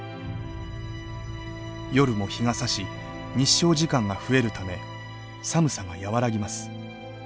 夜も日がさし日照時間が増えるため寒さが和らぎます。